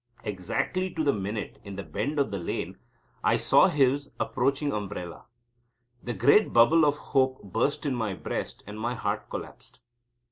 Exactly to the minute, in the bend of the lane, I saw his approaching umbrella. The great bubble of hope burst in my breast, and my heart collapsed.